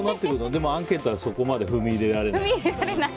でもアンケートはそこまで踏み入れられない。